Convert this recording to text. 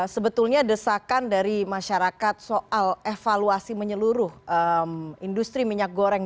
sebetulnya desakan dari masyarakat soal evaluasi menyeluruh industri minyak goreng